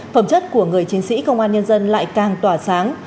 phẩm chất của người chiến sĩ công an nhân dân lại càng tỏa sáng